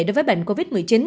đối với bệnh covid một mươi chín